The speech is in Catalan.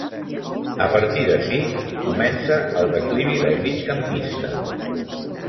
A partir d'ací comença el declivi del migcampista.